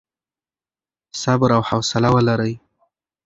صبر او حوصله ولرئ.